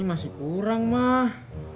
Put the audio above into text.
ini masih kurang mah